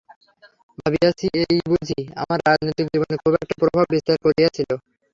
ভাবিয়াছি, এইই বুঝি আমার রাজনৈতিক জীবনে খুব একটা প্রভাব বিস্তার করিয়াছিল।